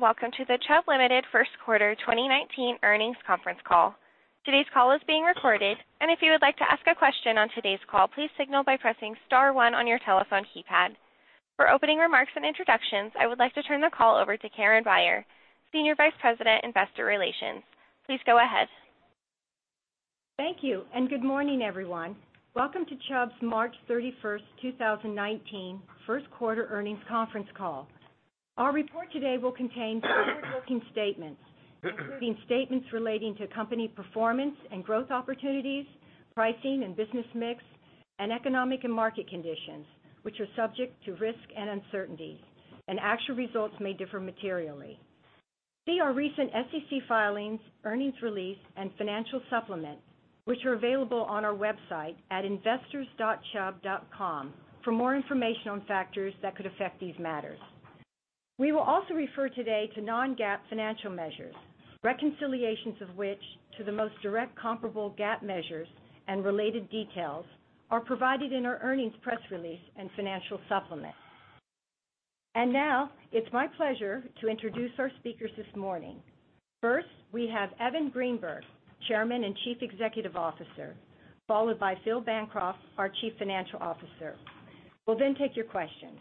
Welcome to the Chubb Limited First Quarter 2019 Earnings Conference Call. Today's call is being recorded, and if you would like to ask a question on today's call, please signal by pressing star one on your telephone keypad. For opening remarks and introductions, I would like to turn the call over to Karen Beyer, Senior Vice President, Investor Relations. Please go ahead. Thank you. Good morning, everyone. Welcome to Chubb's March 31st, 2019 first quarter earnings conference call. Our report today will contain forward-looking statements, including statements relating to company performance and growth opportunities, pricing and business mix, and economic and market conditions, which are subject to risk and uncertainty. Actual results may differ materially. See our recent SEC filings, earnings release, and financial supplement, which are available on our website at investors.chubb.com for more information on factors that could affect these matters. We will also refer today to non-GAAP financial measures, reconciliations of which to the most direct comparable GAAP measures and related details are provided in our earnings press release and financial supplement. Now, it's my pleasure to introduce our speakers this morning. First, we have Evan Greenberg, Chairman and Chief Executive Officer, followed by Philip Bancroft, our Chief Financial Officer. We'll take your questions.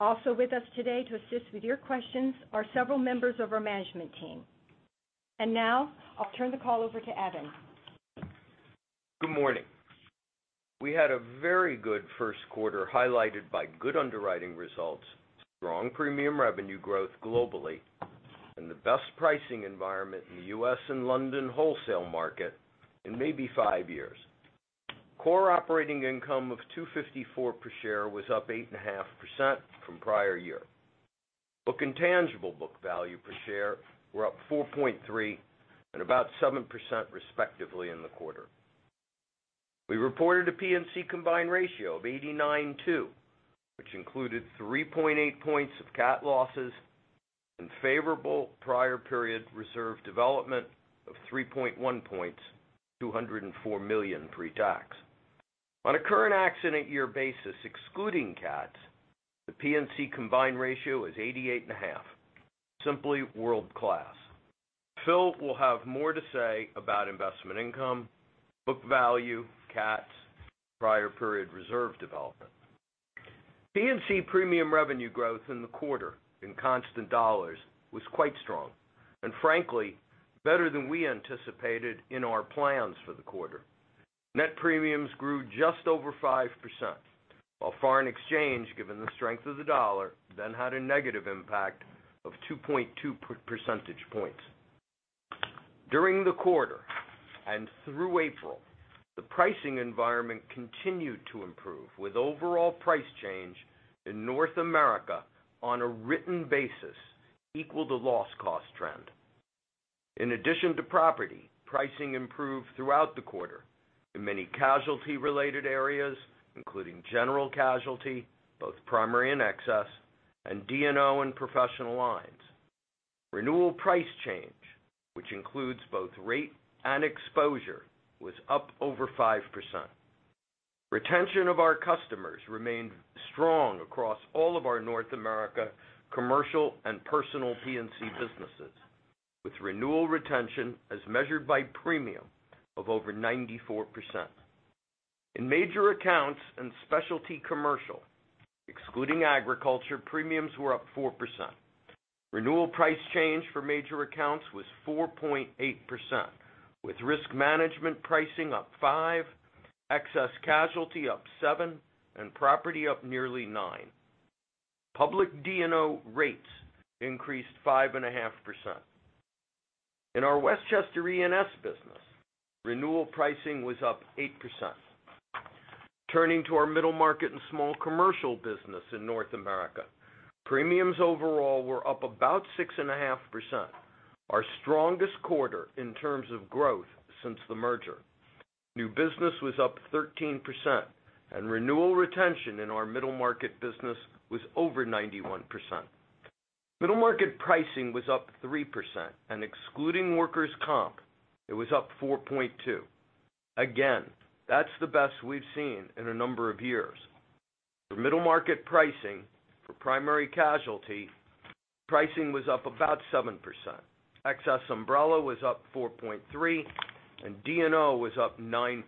Also with us today to assist with your questions are several members of our management team. Now, I'll turn the call over to Evan. Good morning. We had a very good first quarter, highlighted by good underwriting results, strong premium revenue growth globally, and the best pricing environment in the U.S. and London wholesale market in maybe five years. Core operating income of $2.54 per share was up 8.5% from prior year. Book and tangible book value per share were up 4.3% and about 7% respectively in the quarter. We reported a P&C combined ratio of 89.2%, which included 3.8 points of CAT losses and favorable prior period reserve development of 3.1 points, $204 million pre-tax. On a current accident year basis, excluding CATs, the P&C combined ratio is 88.5%, simply world-class. Phil will have more to say about investment income, book value, CATs, prior period reserve development. P&C premium revenue growth in the quarter in constant dollars was quite strong and frankly, better than we anticipated in our plans for the quarter. Net premiums grew just over 5%, while foreign exchange, given the strength of the dollar, had a negative impact of 2.2 percentage points. During the quarter and through April, the pricing environment continued to improve, with overall price change in North America on a written basis equal to loss cost trend. In addition to property, pricing improved throughout the quarter in many casualty related areas, including general casualty, both primary and excess, D&O and professional lines. Renewal price change, which includes both rate and exposure, was up over 5%. Retention of our customers remained strong across all of our North America commercial and personal P&C businesses, with renewal retention as measured by premium of over 94%. In Major Accounts and Specialty Commercial, excluding agriculture, premiums were up 4%. Renewal price change for Major Accounts was 4.8%, with risk management pricing up 5%, excess casualty up 7%, and property up nearly 9%. Public D&O rates increased 5.5%. In our Westchester E&S business, renewal pricing was up 8%. Turning to our middle market and small commercial business in North America, premiums overall were up about 6.5%, our strongest quarter in terms of growth since the merger. New business was up 13%. Renewal retention in our middle market business was over 91%. Middle market pricing was up 3%. Excluding workers' comp, it was up 4.2%. Again, that's the best we've seen in a number of years. For middle market pricing for primary casualty, pricing was up about 7%. Excess umbrella was up 4.3%. D&O was up 9%.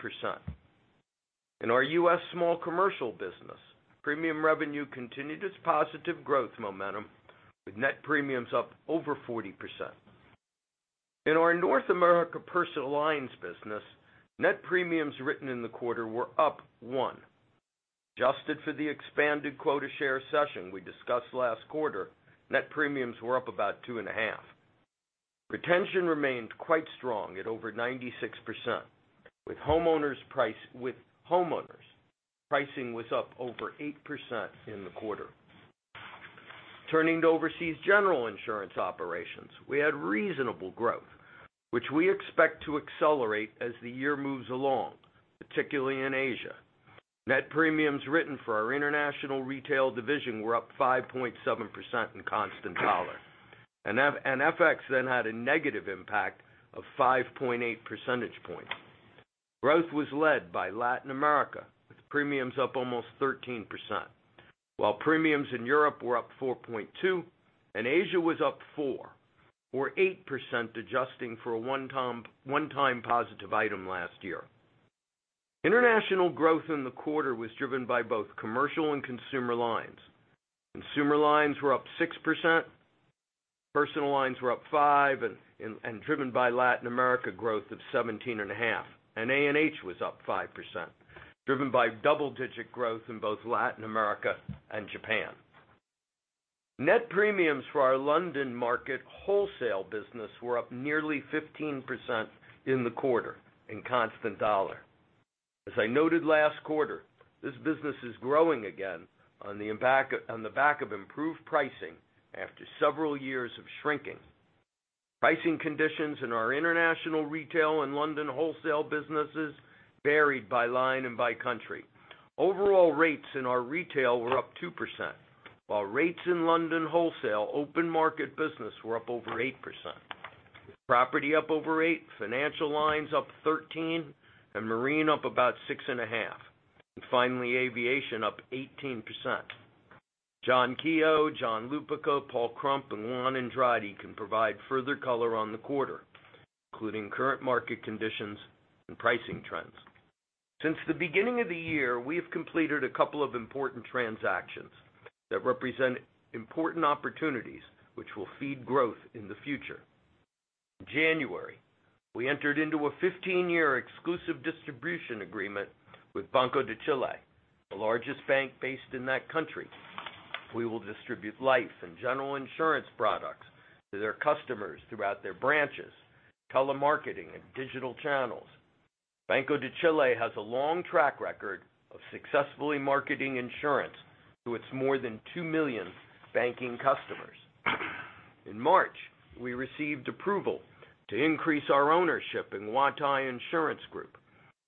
In our U.S. small commercial business, premium revenue continued its positive growth momentum with net premiums up over 40%. In our North America personal lines business, net premiums written in the quarter were up 1%. Adjusted for the expanded quota share cession we discussed last quarter, net premiums were up about 2.5%. Retention remained quite strong at over 96%, with homeowners pricing was up over 8% in the quarter. Turning to overseas general insurance operations, we had reasonable growth, which we expect to accelerate as the year moves along, particularly in Asia. Net premiums written for our international retail division were up 5.7% in constant dollar. FX had a negative impact of 5.8 percentage points. Growth was led by Latin America, with premiums up almost 13%, while premiums in Europe were up 4.2% and Asia was up 4%, or 8% adjusting for a one-time positive item last year. International growth in the quarter was driven by both commercial and consumer lines. Consumer lines were up 6%, personal lines were up 5%. Driven by Latin America growth of 17.5%, A&H was up 5%, driven by double-digit growth in both Latin America and Japan. Net premiums for our London market wholesale business were up nearly 15% in the quarter in constant dollar. As I noted last quarter, this business is growing again on the back of improved pricing after several years of shrinking. Pricing conditions in our international retail and London wholesale businesses varied by line and by country. Overall rates in our retail were up 2%, while rates in London wholesale open market business were up over 8%, with property up over 8%, financial lines up 13%. Marine up about 6.5%. Finally, aviation up 18%. John Keogh, John Lupica, Paul Krump, and Juan Andrade can provide further color on the quarter, including current market conditions and pricing trends. Since the beginning of the year, we have completed a couple of important transactions that represent important opportunities which will feed growth in the future. In January, we entered into a 15-year exclusive distribution agreement with Banco de Chile, the largest bank based in that country. We will distribute life and general insurance products to their customers throughout their branches, telemarketing, and digital channels. Banco de Chile has a long track record of successfully marketing insurance to its more than two million banking customers. In March, we received approval to increase our ownership in Huatai Insurance Group,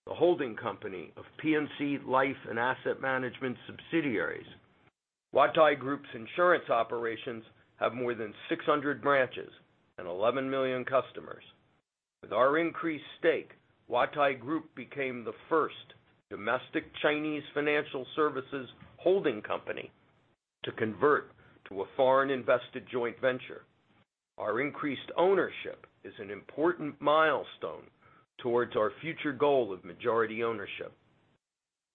the holding company of P&C Life and Asset Management subsidiaries. Huatai Group's insurance operations have more than 600 branches and 11 million customers. With our increased stake, Huatai Group became the first domestic Chinese financial services holding company to convert to a foreign invested joint venture. Our increased ownership is an important milestone towards our future goal of majority ownership.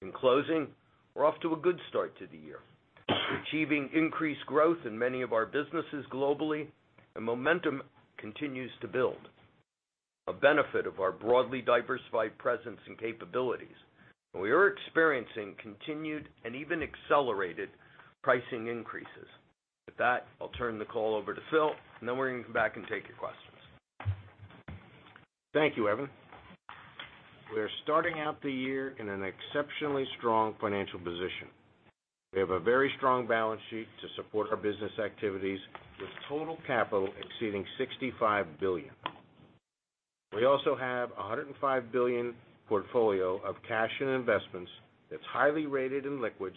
In closing, we're off to a good start to the year. We are achieving increased growth in many of our businesses globally and momentum continues to build. A benefit of our broadly diversified presence and capabilities. We are experiencing continued and even accelerated pricing increases. With that, I'll turn the call over to Phil, and then we're going to come back and take your questions. Thank you, Evan. We are starting out the year in an exceptionally strong financial position. We have a very strong balance sheet to support our business activities with total capital exceeding $65 billion. We also have a $105 billion portfolio of cash and investments that's highly rated and liquid,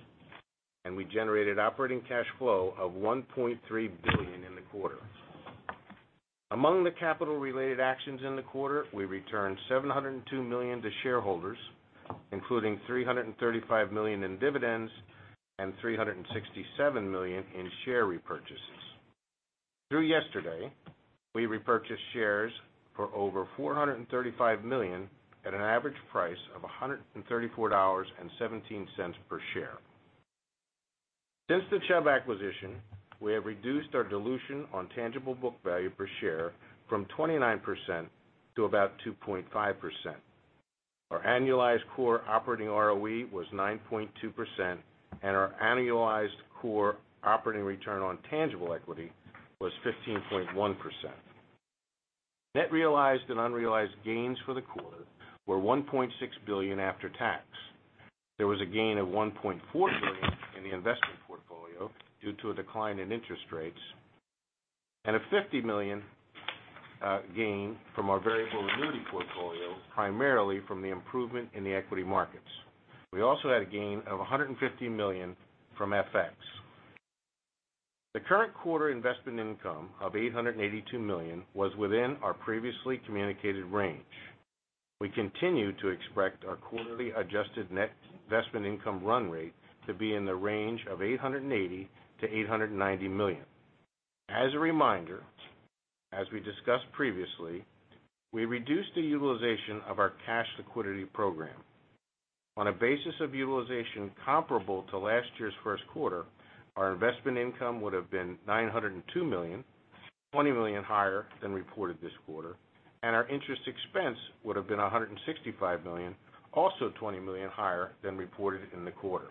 and we generated operating cash flow of $1.3 billion in the quarter. Among the capital related actions in the quarter, we returned $702 million to shareholders, including $335 million in dividends and $367 million in share repurchases. Through yesterday, we repurchased shares for over $435 million at an average price of $134.17 per share. Since the Chubb acquisition, we have reduced our dilution on tangible book value per share from 29% to about 2.5%. Our annualized core operating ROE was 9.2%, and our annualized core operating return on tangible equity was 15.1%. Net realized and unrealized gains for the quarter were $1.6 billion after tax. There was a gain of $1.4 billion in the investment portfolio due to a decline in interest rates, and a $50 million gain from our variable annuity portfolio, primarily from the improvement in the equity markets. We also had a gain of $150 million from FX. The current quarter investment income of $882 million was within our previously communicated range. We continue to expect our quarterly adjusted net investment income run rate to be in the range of $880 million to $890 million. As a reminder, as we discussed previously, we reduced the utilization of our cash liquidity program. On a basis of utilization comparable to last year's first quarter, our investment income would have been $902 million, $20 million higher than reported this quarter, and our interest expense would have been $165 million, also $20 million higher than reported in the quarter.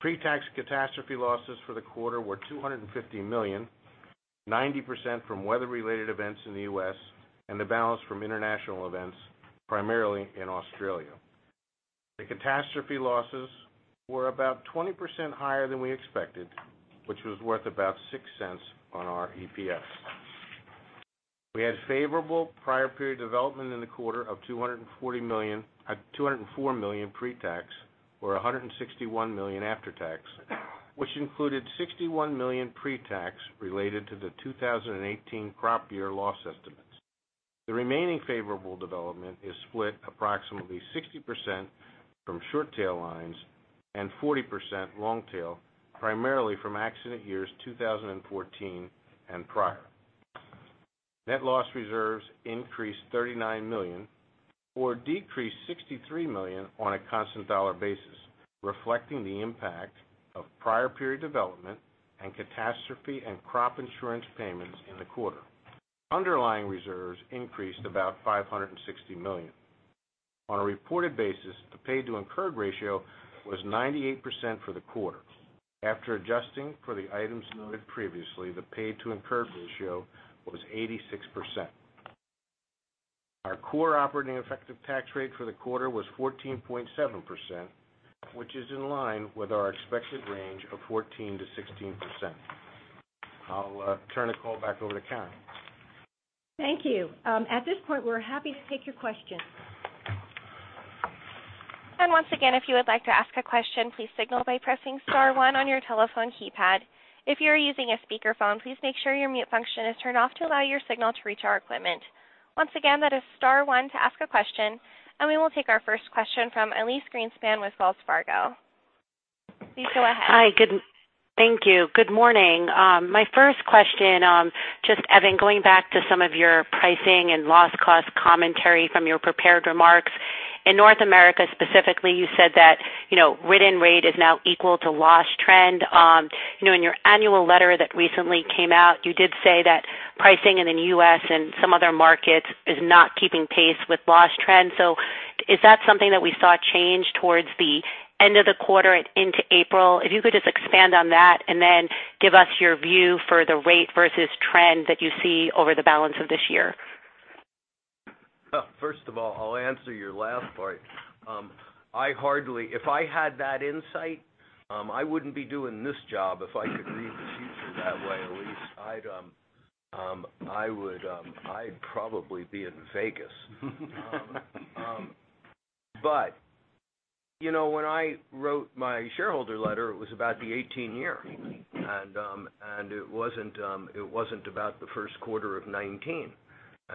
Pre-tax catastrophe losses for the quarter were $250 million, 90% from weather-related events in the U.S. and the balance from international events, primarily in Australia. The catastrophe losses were about 20% higher than we expected, which was worth about $0.06 on our EPS. We had favorable prior period development in the quarter of $204 million pre-tax, or $161 million after tax, which included $61 million pre-tax related to the 2018 crop year loss estimates. The remaining favorable development is split approximately 60% from short tail lines and 40% long tail, primarily from accident years 2014 and prior. Net loss reserves increased $39 million or decreased $63 million on a constant dollar basis, reflecting the impact of prior period development and catastrophe and crop insurance payments in the quarter. Underlying reserves increased about $560 million. On a reported basis, the paid to incurred ratio was 98% for the quarter. After adjusting for the items noted previously, the paid to incurred ratio was 86%. Our core operating effective tax rate for the quarter was 14.7%, which is in line with our expected range of 14%-16%. I'll turn the call back over to Karen. Thank you. At this point, we're happy to take your questions. Once again, if you would like to ask a question, please signal by pressing star one on your telephone keypad. If you are using a speakerphone, please make sure your mute function is turned off to allow your signal to reach our equipment. Once again, that is star one to ask a question, we will take our first question from Elyse Greenspan with Wells Fargo. Please go ahead. Hi. Thank you. Good morning. My first question, just Evan, going back to some of your pricing and loss cost commentary from your prepared remarks. In North America, specifically, you said that written rate is now equal to loss trend. In your annual letter that recently came out, you did say that pricing in the U.S. and some other markets is not keeping pace with loss trend. Is that something that we saw change towards the end of the quarter and into April? If you could just expand on that and then give us your view for the rate versus trend that you see over the balance of this year. First of all, I'll answer your last part. If I had that insight, I wouldn't be doing this job if I could read the future that way, Elyse. I'd probably be in Vegas. When I wrote my shareholder letter, it was about the 2018 year. It wasn't about the first quarter of 2019. In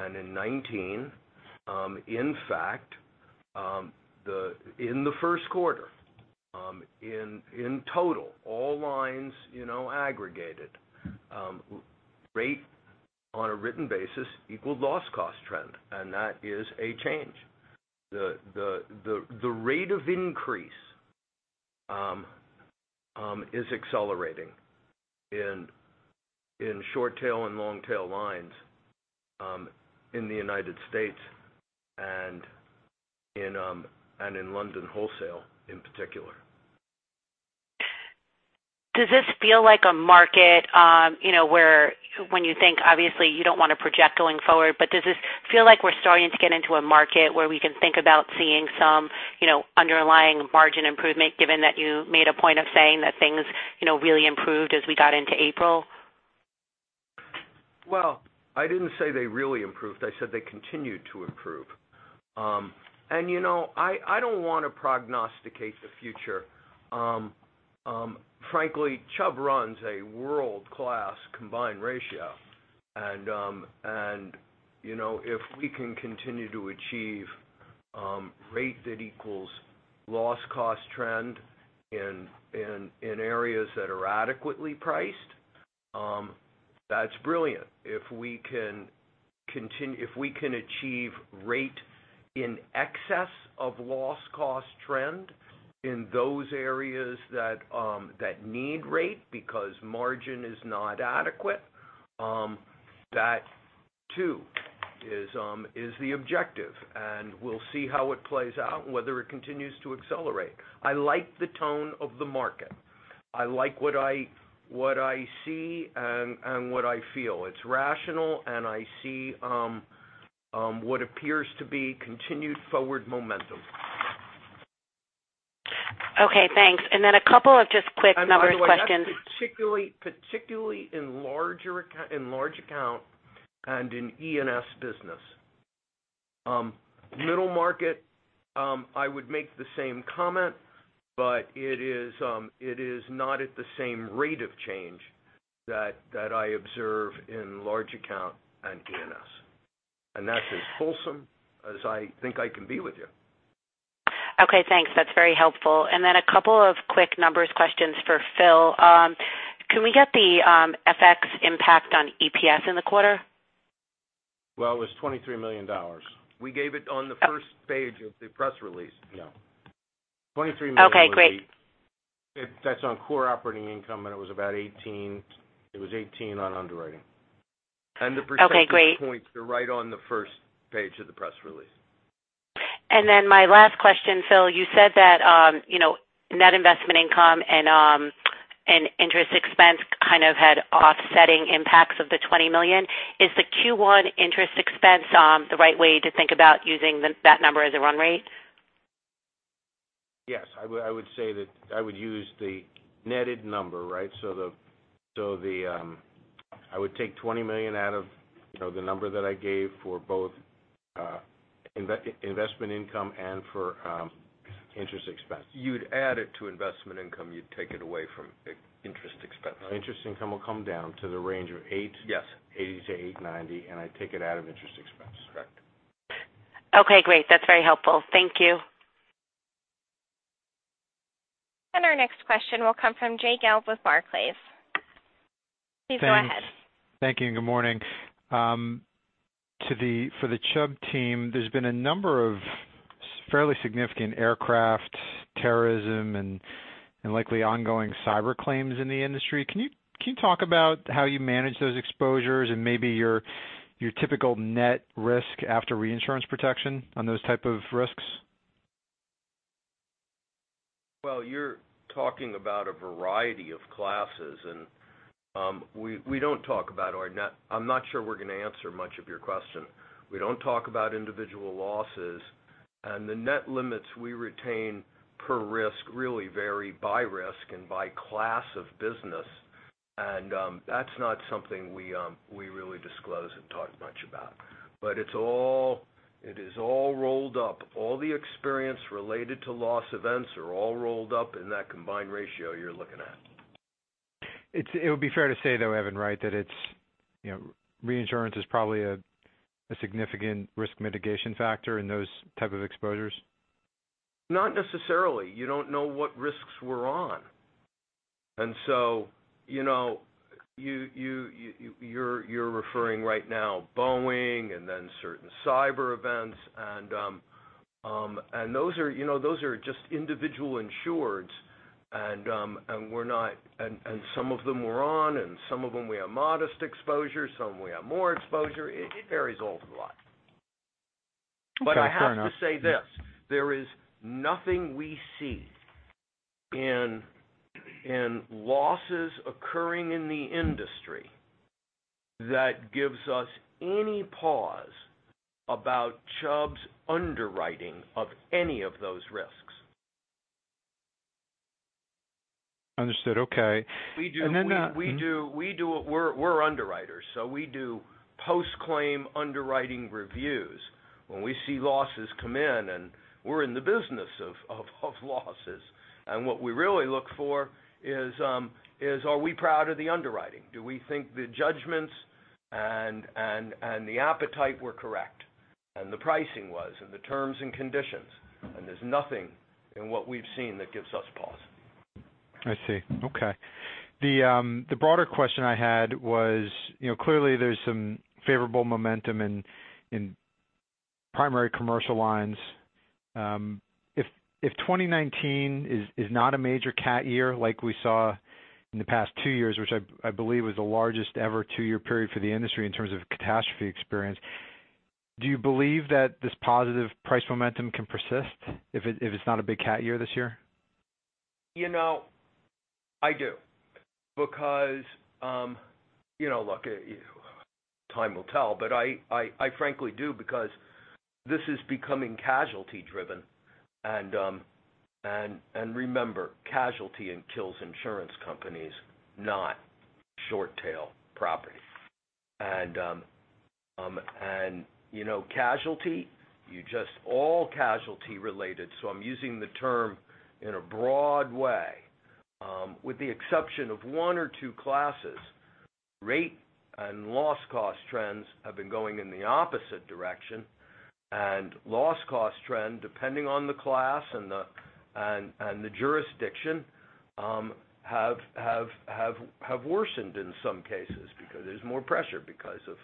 2019, in fact, in the first quarter, in total, all lines aggregated, rate on a written basis equaled loss cost trend. That is a change. The rate of increase is accelerating in short tail and long tail lines in the U.S. and in London wholesale in particular. Does this feel like a market where when you think, obviously you don't want to project going forward, does this feel like we're starting to get into a market where we can think about seeing some underlying margin improvement given that you made a point of saying that things really improved as we got into April? Well, I didn't say they really improved. I said they continued to improve. I don't want to prognosticate the future. Frankly, Chubb runs a world-class combined ratio. If we can continue to achieve rate that equals loss cost trend in areas that are adequately priced, that's brilliant. If we can achieve rate in excess of loss cost trend in those areas that need rate because margin is not adequate, that too is the objective. We'll see how it plays out and whether it continues to accelerate. I like the tone of the market. I like what I see and what I feel. It's rational. I see what appears to be continued forward momentum. Okay, thanks. Then a couple of just quick numbers questions. By the way, that's particularly in Major Accounts and in E&S business. Middle market, I would make the same comment, but it is not at the same rate of change that I observe in Major Accounts and E&S. That's as wholesome as I think I can be with you. Okay, thanks. That's very helpful. Then a couple of quick numbers questions for Phil. Can we get the FX impact on EPS in the quarter? Well, it was $23 million. We gave it on the first page of the press release. Yeah. Okay, great. $23 million. That's on core operating income, and it was about 18 on underwriting. Okay, great. The percentage points are right on the first page of the press release. My last question, Phil, you said that net investment income and interest expense kind of had offsetting impacts of the $20 million. Is the Q1 interest expense the right way to think about using that number as a run rate? Yes. I would use the netted number, right? the I would take $20 million out of the number that I gave for both investment income and for interest expense. You'd add it to investment income, you'd take it away from interest expense. No, interest income will come down to the range of Yes $880-$890, I take it out of interest expense. Correct. Okay, great. That's very helpful. Thank you. Our next question will come from Jay Gelb with Barclays. Please go ahead. Thank you, and good morning. For the Chubb team, there's been a number of fairly significant aircraft, terrorism, and likely ongoing cyber claims in the industry. Can you talk about how you manage those exposures and maybe your typical net risk after reinsurance protection on those type of risks? Well, you're talking about a variety of classes. We don't talk about our net. I'm not sure we're going to answer much of your question. We don't talk about individual losses. The net limits we retain per risk really vary by risk and by class of business. That's not something we really disclose or talk much about. It is all rolled up. All the experience related to loss events are all rolled up in that combined ratio you're looking at. It would be fair to say though, Evan, right, that reinsurance is probably a significant risk mitigation factor in those type of exposures? Not necessarily. You don't know what risks we're on. You're referring right now Boeing and then certain cyber events and those are just individual insureds. Some of them we're on, and some of them we have modest exposure, some we have more exposure. It varies all over the lot. Okay. Fair enough. I have to say this, there is nothing we see in losses occurring in the industry that gives us any pause about Chubb's underwriting of any of those risks. Understood. Okay. We're underwriters, so we do post-claim underwriting reviews when we see losses come in, and we're in the business of losses. What we really look for is, are we proud of the underwriting? Do we think the judgments and the appetite were correct? The pricing was, and the terms and conditions. There's nothing in what we've seen that gives us pause. I see. Okay. The broader question I had was, clearly there's some favorable momentum in primary commercial lines. If 2019 is not a major CAT year like we saw in the past 2 years, which I believe was the largest ever 2-year period for the industry in terms of catastrophe experience, do you believe that this positive price momentum can persist if it's not a big CAT year this year? I do. Look, time will tell, but I frankly do because this is becoming casualty driven. Remember, casualty kills insurance companies, not short tail property. Casualty, all casualty related, so I'm using the term in a broad way. With the exception of one or 2 classes, rate and loss cost trends have been going in the opposite direction, and loss cost trend, depending on the class and the jurisdiction have worsened in some cases because there's more pressure because of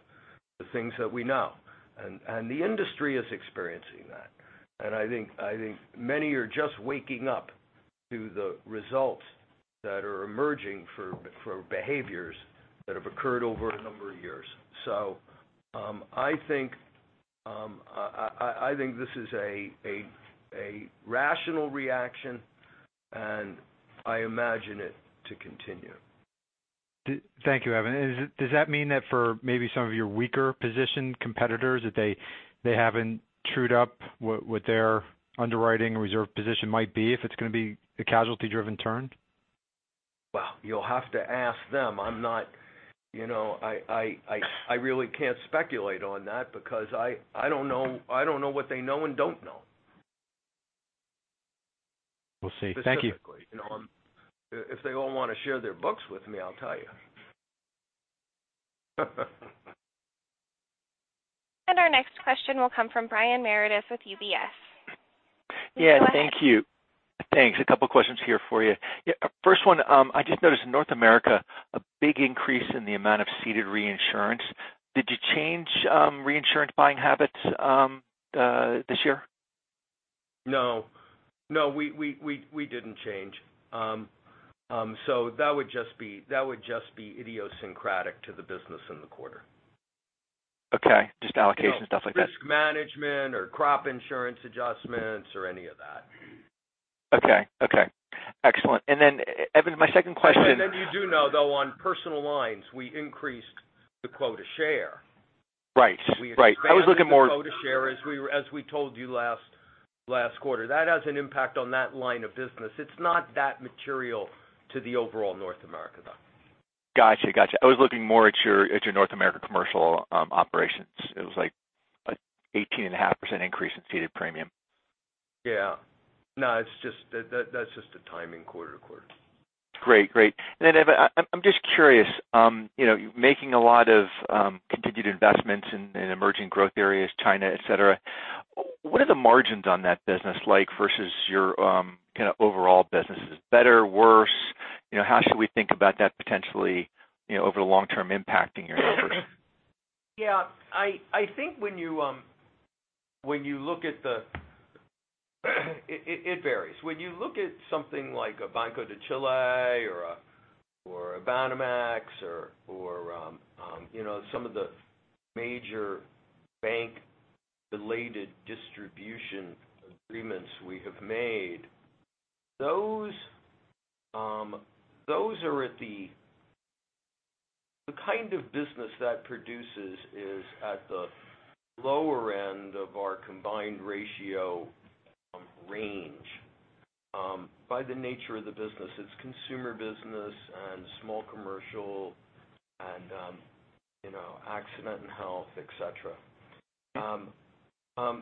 the things that we know. The industry is experiencing that. I think many are just waking up to the results that are emerging for behaviors that have occurred over a number of years. I think this is a rational reaction, and I imagine it to continue. Thank you, Evan. Does that mean that for maybe some of your weaker positioned competitors, that they haven't trued up what their underwriting reserve position might be if it's going to be a casualty driven turn? Well, you'll have to ask them. I really can't speculate on that because I don't know what they know and don't know. We'll see. Thank you. Specifically. If they all want to share their books with me, I'll tell you. Our next question will come from Brian Meredith with UBS. Please go ahead. Thank you. Thanks. A couple questions here for you. First one, I just noticed in North America, a big increase in the amount of ceded reinsurance. Did you change reinsurance buying habits this year? No. We didn't change. That would just be idiosyncratic to the business in the quarter. Okay. Just allocation, stuff like that. Risk management or crop insurance adjustments or any of that. Okay. Excellent. Evan, my second question? You do know, though, on personal lines, we increased the quota share. Right. I was looking more. We expanded the quota share as we told you last quarter. That has an impact on that line of business. It's not that material to the overall North America, though. Got you. I was looking more at your North America commercial operations. It was like an 18.5% increase in ceded premium. No, that's just a timing quarter to quarter. Great. Evan, I'm just curious, you're making a lot of continued investments in emerging growth areas, China, et cetera. What are the margins on that business like versus your kind of overall business? Is it better? Worse? How should we think about that potentially, over the long term impacting your numbers? I think it varies. When you look at something like a Banco de Chile or a Banamex or some of the major bank-related distribution agreements we have made, the kind of business that produces is at the lower end of our combined ratio range. By the nature of the business, it's consumer business and small commercial and accident and health, et cetera. We're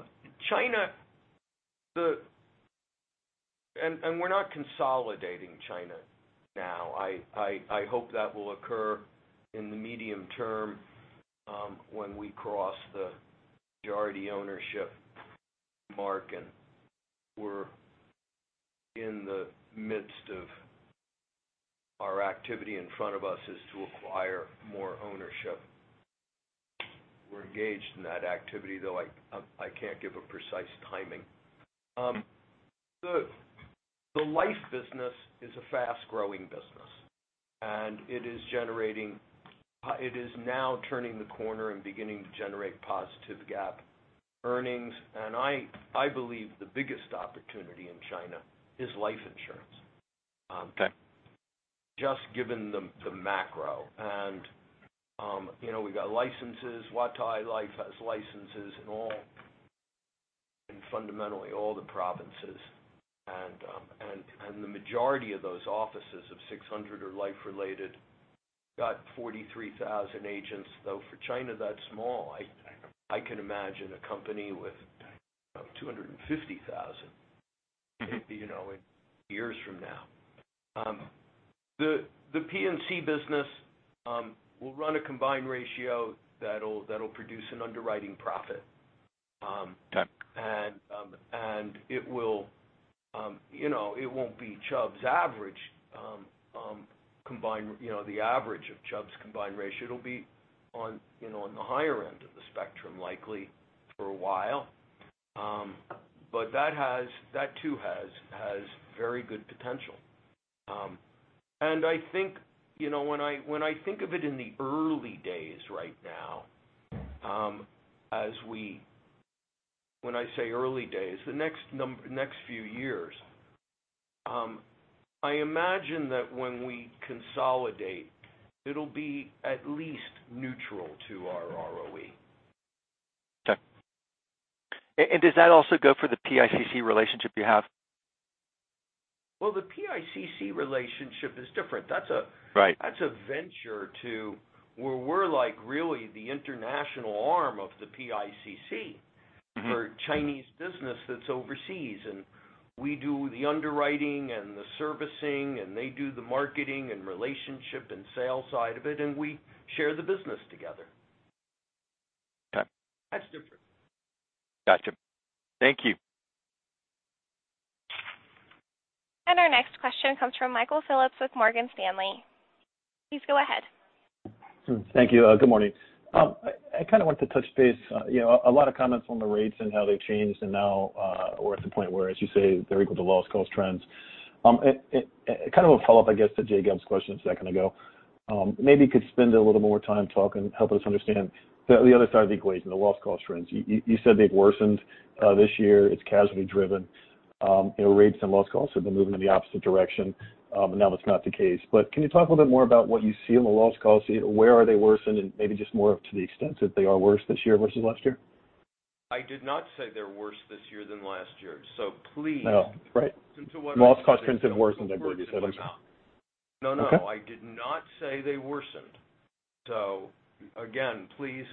not consolidating China now. I hope that will occur in the medium term, when we cross the majority ownership mark, we're in the midst of our activity in front of us is to acquire more ownership. We're engaged in that activity, though I can't give a precise timing. The life business is a fast-growing business, it is now turning the corner and beginning to generate positive GAAP earnings. I believe the biggest opportunity in China is life insurance. Okay. Just given the macro. We got licenses. Huatai Life has licenses in fundamentally all the provinces. The majority of those offices of 600 are life related. Got 43,000 agents, though for China, that's small. I can imagine a company with 250,000 maybe in years from now. The P&C business will run a combined ratio that'll produce an underwriting profit. Okay. It won't be Chubb's average, the average of Chubb's combined ratio. It'll be on the higher end of the spectrum, likely for a while. That too has very good potential. When I think of it in the early days right now, when I say early days, the next few years, I imagine that when we consolidate, it'll be at least neutral to our ROE. Okay. Does that also go for the PICC relationship you have? Well, the PICC relationship is different. Right. That's a venture to where we're like really the international arm of the PICC- for Chinese business that's overseas. We do the underwriting and the servicing, they do the marketing and relationship and sales side of it, we share the business together. Okay. That's different. Got you. Thank you. Our next question comes from Michael Phillips with Morgan Stanley. Please go ahead. Thank you. Good morning. I kind of want to touch base. A lot of comments on the rates and how they've changed, and now we're at the point where, as you say, they're equal to loss cost trends. Kind of a follow-up, I guess, to Jay Gelb's question a second ago. Maybe you could spend a little more time talking, help us understand the other side of the equation, the loss cost trends. You said they've worsened this year. It's casualty driven. Rates and loss costs have been moving in the opposite direction, and now that's not the case. Can you talk a little bit more about what you see on the loss cost? Where are they worsened, and maybe just more to the extent that they are worse this year versus last year? I did not say they're worse this year than last year. Please listen No. Right to what I said. Loss cost trends have worsened, I believe you said? No, I did not say they worsened. Again, please,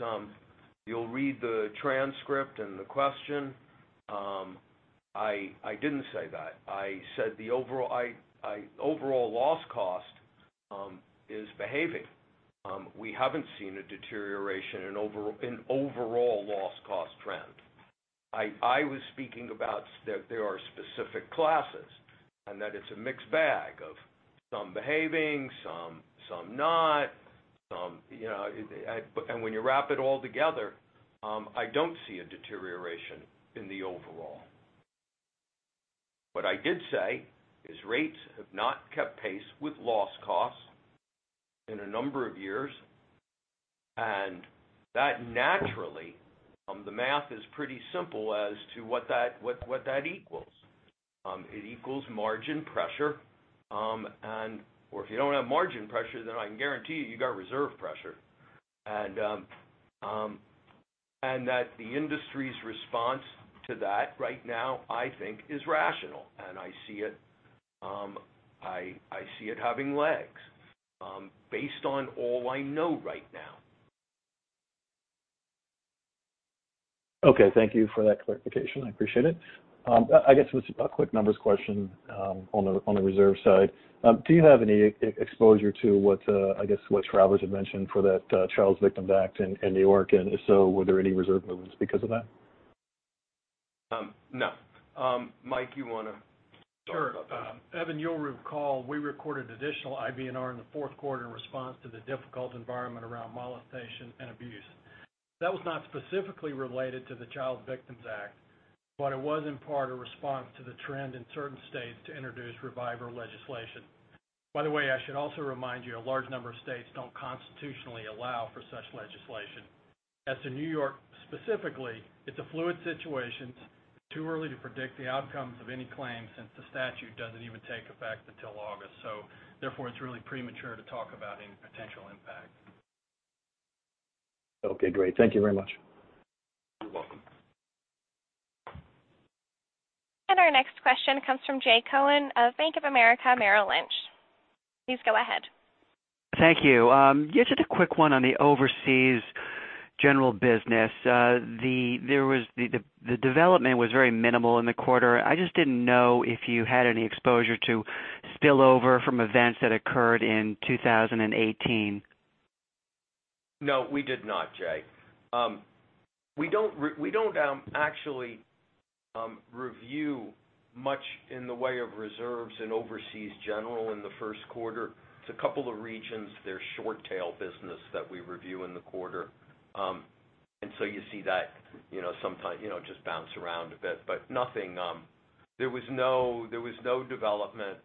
you'll read the transcript and the question. I didn't say that. I said the overall loss cost is behaving. We haven't seen a deterioration in overall loss cost trend. I was speaking about that there are specific classes, and that it's a mixed bag of some behaving, some not. When you wrap it all together, I don't see a deterioration in the overall. What I did say is rates have not kept pace with loss costs in a number of years, and that naturally, the math is pretty simple as to what that equals. It equals margin pressure, or if you don't have margin pressure, then I can guarantee you got reserve pressure. That the industry's response to that right now, I think, is rational, and I see it having legs based on all I know right now. Okay. Thank you for that clarification. I appreciate it. I guess just a quick numbers question on the reserve side. Do you have any exposure to what Travelers had mentioned for that Child Victims Act in New York? And if so, were there any reserve movements because of that? No. Mike, you want to talk about that? Sure. Evan, you'll recall we recorded additional IBNR in the fourth quarter in response to the difficult environment around molestation and abuse. That was not specifically related to the Child Victims Act, but it was in part a response to the trend in certain states to introduce reviver legislation. By the way, I should also remind you, a large number of states don't constitutionally allow for such legislation. As to New York specifically, it's a fluid situation. Too early to predict the outcomes of any claims since the statute doesn't even take effect until August. Therefore it's really premature to talk about any potential impact. Okay, great. Thank you very much. You're welcome. Our next question comes from Jay Cohen of Bank of America Merrill Lynch. Please go ahead. Thank you. Just a quick one on the Overseas General business. The development was very minimal in the quarter. I just didn't know if you had any exposure to spillover from events that occurred in 2018. No, we did not, Jay. We don't actually review much in the way of reserves in Overseas General in the first quarter. It's a couple of regions, they're short-tail business that we review in the quarter. You see that sometimes just bounce around a bit, but there was no development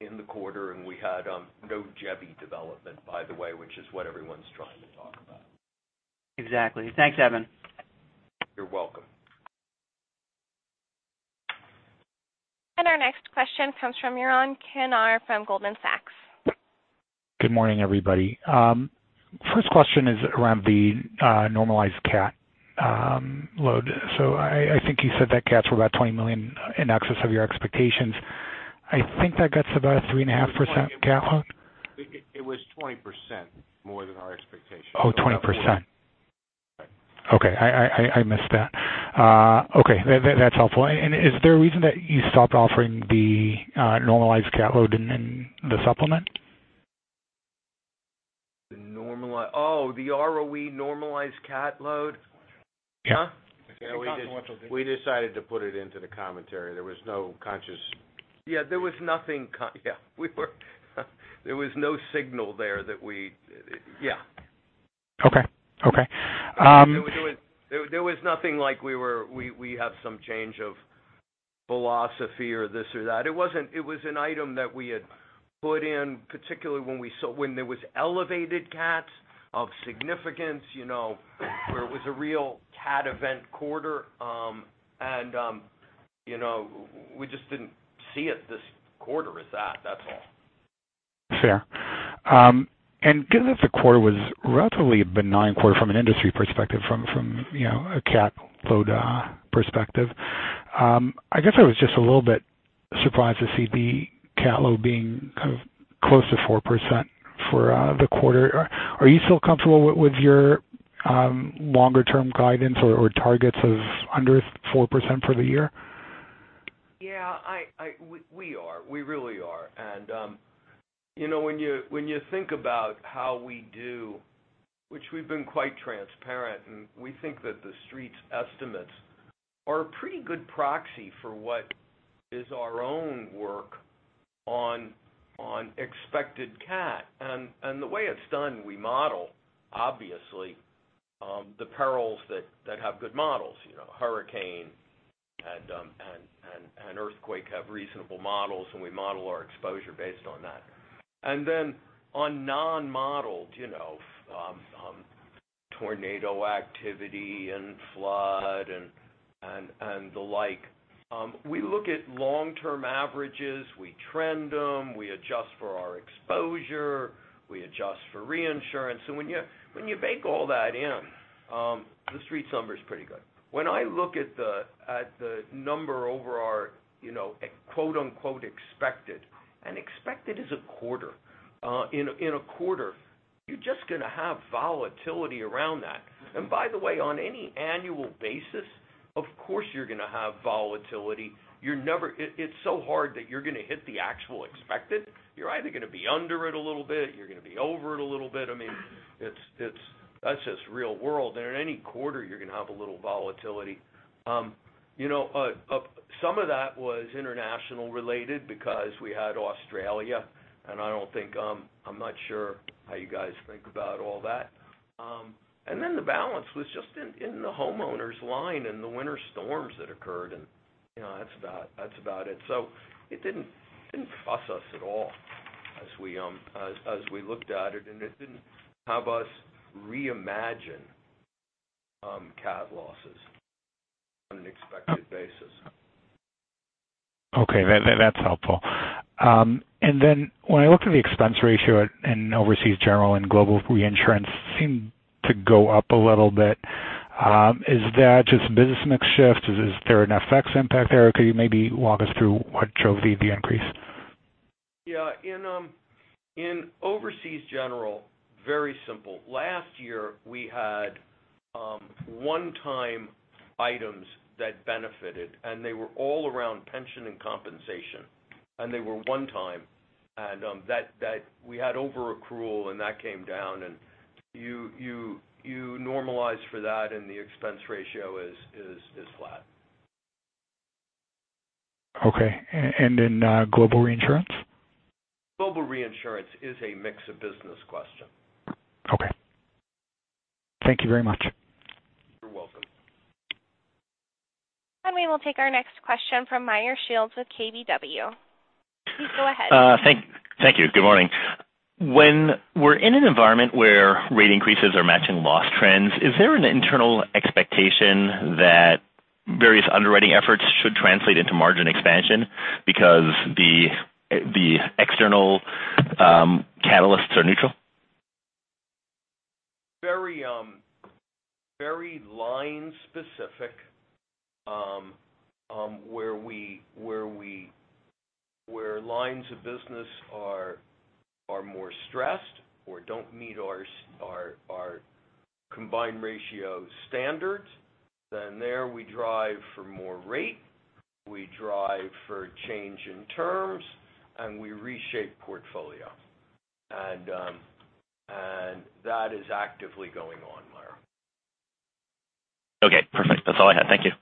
in the quarter, and we had no Jebi development, by the way, which is what everyone's trying to talk about. Exactly. Thanks, Evan. You're welcome. Our next question comes from Yaron Kinar from Goldman Sachs. Good morning, everybody. First question is around the normalized CAT load. I think you said that CATs were about $20 million in excess of your expectations. That gets about a 3.5% CAT load. It was 20% more than our expectation. 20%. Right. Okay. I missed that. Okay. That's helpful. Is there a reason that you stopped offering the normalized CAT load in the supplement? Oh, the ROE normalized CAT load? Yeah. I think that's what. We decided to put it into the commentary. There was no Yeah, there was nothing. Yeah. There was no signal there that we. Okay. There was nothing like we have some change of philosophy or this or that. It was an item that we had put in, particularly when there was elevated CATs of significance where it was a real CAT event quarter. We just didn't see it this quarter as that's all. Fair. Given that the quarter was relatively a benign quarter from an industry perspective, from a CAT load perspective, I guess I was just a little bit surprised to see the CAT load being close to 4% for the quarter. Are you still comfortable with your longer-term guidance or targets of under 4% for the year? Yeah, we are. We really are. When you think about how we do, which we've been quite transparent, we think that the Street's estimates are a pretty good proxy for what is our own work on expected CAT. The way it's done, we model, obviously, the perils that have good models. Hurricane and earthquake have reasonable models, we model our exposure based on that. Then on non-modeled, tornado activity and flood and the like, we look at long-term averages, we trend them, we adjust for our exposure, we adjust for reinsurance. When you bake all that in, the Street's number is pretty good. When I look at the number over our quote, unquote, "expected," expected is a quarter. In a quarter, you're just going to have volatility around that. By the way, on any annual basis, of course, you're going to have volatility. It's so hard that you're going to hit the actual expected. You're either going to be under it a little bit, you're going to be over it a little bit. That's just real world. In any quarter, you're going to have a little volatility. Some of that was international related because we had Australia, I'm not sure how you guys think about all that. Then the balance was just in the homeowners line and the winter storms that occurred, that's about it. It didn't fuss us at all. As we looked at it didn't have us reimagine CAT losses on an expected basis. Okay. That's helpful. Then when I look at the expense ratio in Overseas General and Global Reinsurance, it seemed to go up a little bit. Is that just business mix shift? Is there an FX impact there? Could you maybe walk us through what drove the increase? Yeah. In Overseas General, very simple. Last year, we had one-time items that benefited, they were all around pension and compensation. They were one time. We had over-accrual, and that came down, and you normalize for that, and the expense ratio is flat. Okay. In Global Reinsurance? Global Reinsurance is a mix of business question. Okay. Thank you very much. You're welcome. We will take our next question from Meyer Shields with KBW. Please go ahead. Thank you. Good morning. When we're in an environment where rate increases are matching loss trends, is there an internal expectation that various underwriting efforts should translate into margin expansion because the external catalysts are neutral? Very line specific. Where lines of business are more stressed or don't meet our combined ratio standards, then there we drive for more rate, we drive for change in terms, and we reshape portfolio. That is actively going on, Meyer. Okay, perfect. That's all I had. Thank you.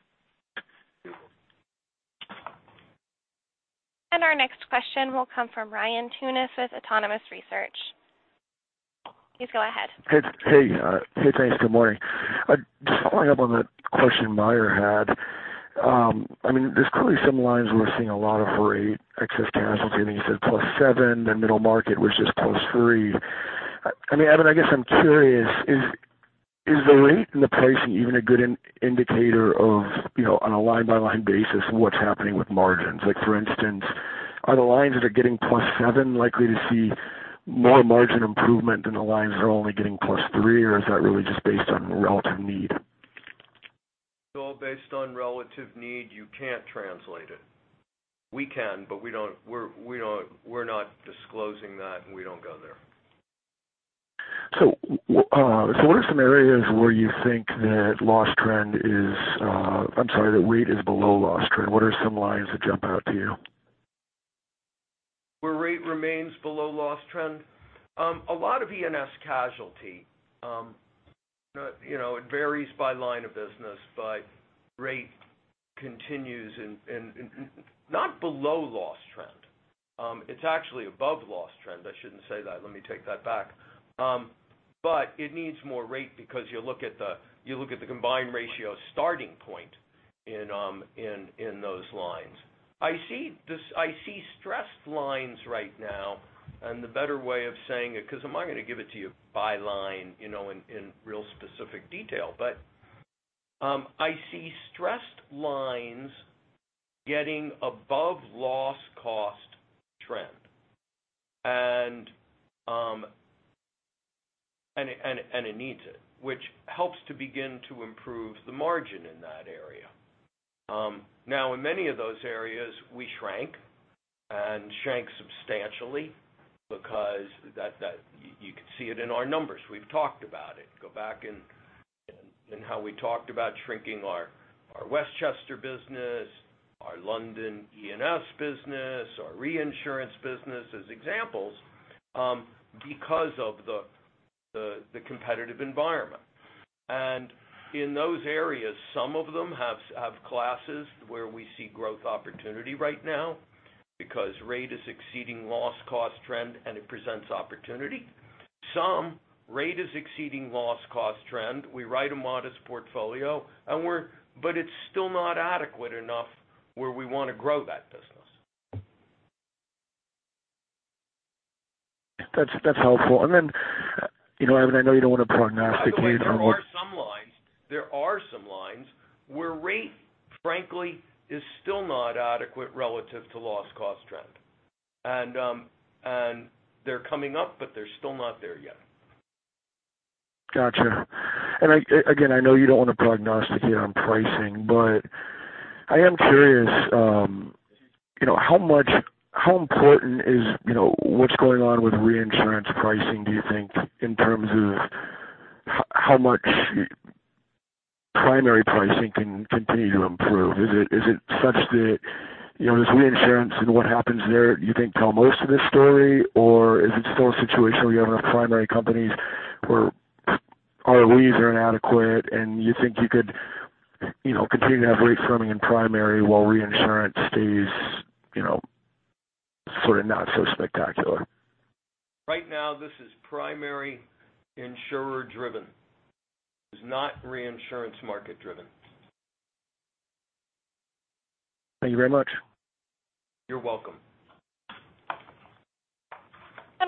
You're welcome. Our next question will come from Ryan Tunis with Autonomous Research. Please go ahead. Hey. Hey, thanks. Good morning. Just following up on that question Meyer had. There's clearly some lines where we're seeing a lot of rate excess casualty. I think you said +7%, then middle market was just +3%. Evan, I guess I'm curious, is the rate and the pricing even a good indicator on a line-by-line basis of what's happening with margins? Like for instance, are the lines that are getting +7% likely to see more margin improvement than the lines that are only getting +3%, or is that really just based on relative need? It's all based on relative need. You can't translate it. We can, but we're not disclosing that. We don't go there. What are some areas where you think that rate is below loss trend? What are some lines that jump out to you? Where rate remains below loss trend? A lot of E&S casualty. It varies by line of business, but rate continues in, not below loss trend. It's actually above loss trend. I shouldn't say that. Let me take that back. It needs more rate because you look at the combined ratio starting point in those lines. I see stressed lines right now, and the better way of saying it, because I'm not going to give it to you by line in real specific detail, but I see stressed lines getting above loss cost trend. It needs it, which helps to begin to improve the margin in that area. In many of those areas, we shrank and shrank substantially because you could see it in our numbers. We've talked about it. Go back and how we talked about shrinking our Westchester business, our London E&S business, our reinsurance business as examples because of the competitive environment. In those areas, some of them have classes where we see growth opportunity right now because rate is exceeding loss cost trend, and it presents opportunity. Some, rate is exceeding loss cost trend. We write a modest portfolio, but it's still not adequate enough where we want to grow that business. That's helpful. Then, Evan, I know you don't want to prognosticate. By the way, there are some lines where rate, frankly, is still not adequate relative to loss cost trend. They're coming up, but they're still not there yet. Got you. Again, I know you don't want to prognosticate on pricing, but I am curious, how important is what's going on with reinsurance pricing, do you think, in terms of how much primary pricing can continue to improve? Is it such that this reinsurance and what happens there, do you think tell most of the story, or is it still a situation where you have enough primary companies where ROEs are inadequate, and you think you could continue to have rate firming in primary while reinsurance stays sort of not so spectacular? Right now, this is primary insurer driven. It's not reinsurance market driven. Thank you very much. You're welcome.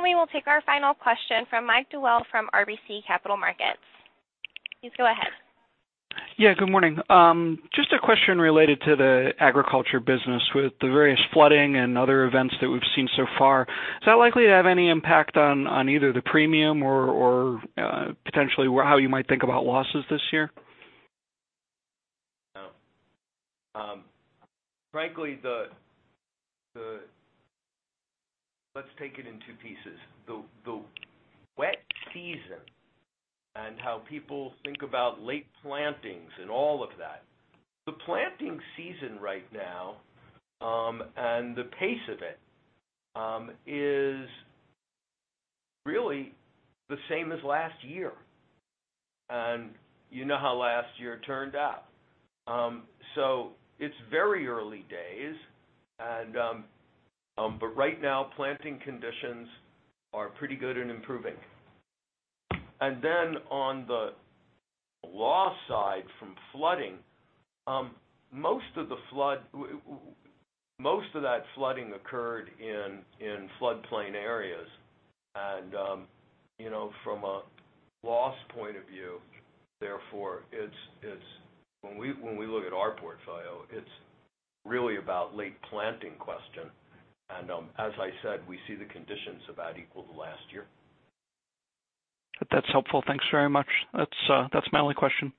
We will take our final question from Mike Zaremski from RBC Capital Markets. Please go ahead. Yeah, good morning. Just a question related to the agriculture business. With the various flooding and other events that we've seen so far, is that likely to have any impact on either the premium or potentially how you might think about losses this year? No. Frankly, let's take it in two pieces. The wet season and how people think about late plantings and all of that. The planting season right now, and the pace of it, is really the same as last year. You know how last year turned out. It's very early days, but right now, planting conditions are pretty good and improving. Then on the loss side from flooding, most of that flooding occurred in floodplain areas. From a loss point of view, therefore, when we look at our portfolio, it's really about late planting question. As I said, we see the conditions about equal to last year. That's helpful. Thanks very much. That's my only question.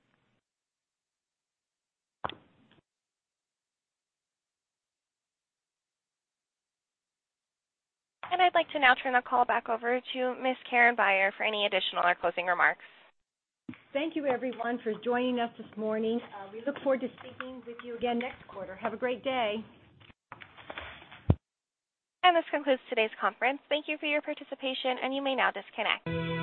I'd like to now turn the call back over to Ms. Karen Beyer for any additional or closing remarks. Thank you, everyone, for joining us this morning. We look forward to speaking with you again next quarter. Have a great day. This concludes today's conference. Thank you for your participation, and you may now disconnect.